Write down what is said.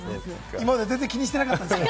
今まで全然気にしてなかったんですか？